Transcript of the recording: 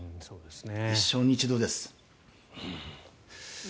一生に一度です。